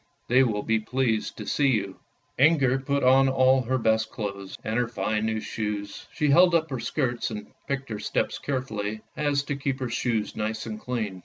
They will be pleased to see you." Inger put on all her best clothes, and her fine new shoes; she held up her skirts and picked her steps carefully so as to keep her shoes nice and clean.